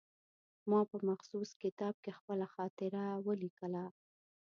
ما په مخصوص کتاب کې خپله خاطره ولیکله.